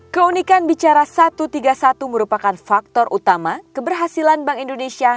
keunikan bicara satu ratus tiga puluh satu merupakan faktor utama keberhasilan bank indonesia